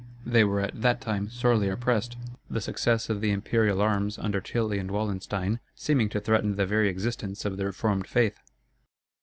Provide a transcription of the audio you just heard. They were at that time sorely oppressed, the success of the imperial arms, under Tilly and Wallenstein, seeming to threaten the very existence of the Reformed Faith.